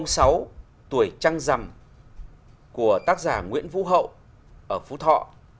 tác phẩm thứ ba đoạt giải ba đó là tác phẩm số sáu tuổi trăng rằm của tác giả nguyễn vũ hậu ở phú thọ